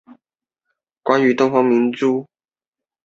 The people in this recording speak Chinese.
东京俳优生活协同组合所属。